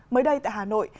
mới đây tại hà nội